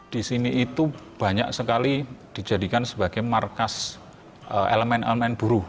di sini itu banyak sekali dijadikan sebagai markas elemen elemen buruh